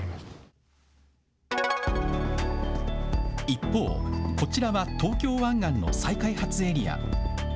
一方、こちらは東京湾岸の再開発エリア。